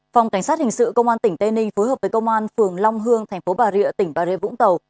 phòng cảnh sát hình sự công an tỉnh tây ninh phối hợp với công an phường long hương thành phố bà rịa tỉnh bà rịa vũng tàu